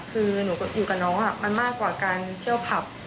คือหนูอยู่กับน้องมันมากกว่าการเที่ยวผับ